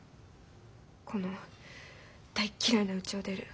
この大嫌いなうちを出る。